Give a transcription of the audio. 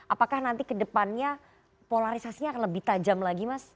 apakah nanti kedepannya polarisasinya akan lebih tajam lagi mas